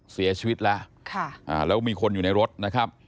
เสียชีวิตแล้วแล้วมีคนอยู่ในรถนะครับ